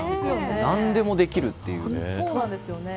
何でもできるというね。